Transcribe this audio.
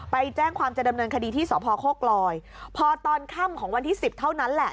ไปแจ้งความจะดำเนินคดีที่สพโคกลอยพอตอนค่ำของวันที่สิบเท่านั้นแหละ